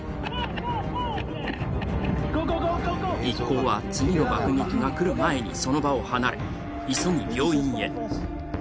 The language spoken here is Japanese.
一行は次の爆撃が来る前にその場を離れ、急ぎ病院へ。